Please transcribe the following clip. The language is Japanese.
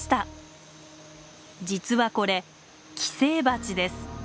実はこれ寄生バチです。